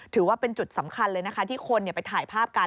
ถือว่าเป็นจุดสำคัญเลยนะคะที่คนไปถ่ายภาพกัน